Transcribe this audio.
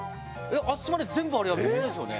あっちまで全部あれ焼き物ですよね？